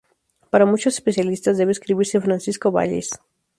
Para muchos especialistas, debe escribirse Francisco Valles.